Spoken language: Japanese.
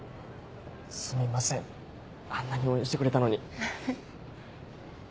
すみませんあんなに応援してくれたのに。